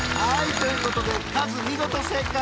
ということでカズ見事正解！